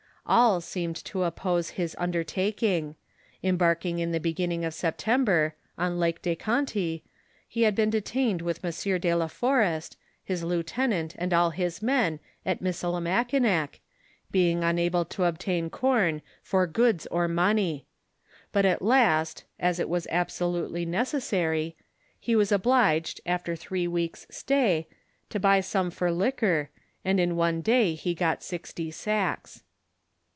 All seemed to oppose his under taking ; embarking in the beginning of September, on Lake de Conty, he had been detained with M. do la Forrest, his lieutenant and all his men, at Missilimakinac, being unable to obtain corn for goods or money ; but at last, as it was ab solutely necessary, he was obliged, after three weeks' stay, to buy some for liquor, and in one day he got sixty sacks.